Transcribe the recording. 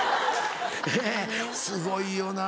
すごいよなぁ。